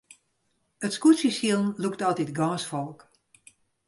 It skûtsjesilen lûkt altyd gâns folk.